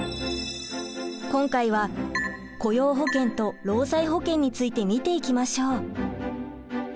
今回は雇用保険と労災保険について見ていきましょう。